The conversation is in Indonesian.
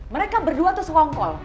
mereka berdua tuh serongkol